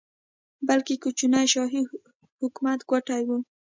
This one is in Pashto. بلکې کوچني شاهي حکومت ګوټي وو.